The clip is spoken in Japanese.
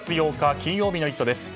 金曜日の「イット！」です。